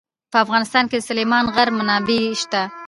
په افغانستان کې د سلیمان غر منابع شته.